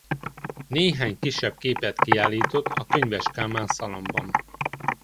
Néhány kisebb képet kiállított a Könyves Kálmán Szalonban.